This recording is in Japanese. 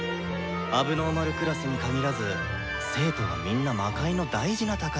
問題児クラスに限らず生徒はみんな魔界の大事な宝です。